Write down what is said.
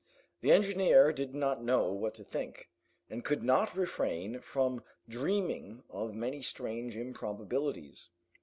The engineer did not know what to think, and could not refrain from dreaming of many strange improbabilities.